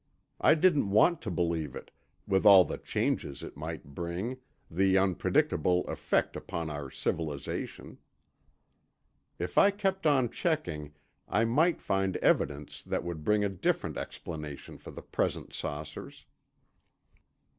I didn't want to believe it, with all the changes it might bring, the unpredictable effect upon our civilization. If I kept on checking I might find evidence that would bring a different explanation for the present saucers.